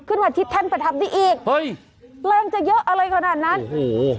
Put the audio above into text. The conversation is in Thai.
ขึ้นมาที่แท่นประทับได้อีกเฮ้ยแรงจะเยอะอะไรขนาดนั้นโอ้โห